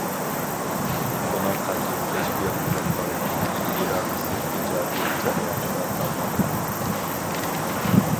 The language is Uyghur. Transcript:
ئۇنىڭ قەلبى كەشپىيات بىلەن باغلانغان، ئىرادىسى ئىجادىيەت جەريانىدا تاۋلانغان.